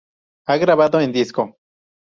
Ha grabado en disco.